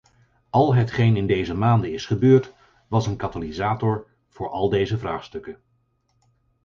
Al hetgeen in deze maanden is gebeurd was een katalysator voor al deze vraagstukken.